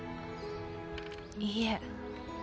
いいえ。